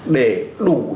để đủ để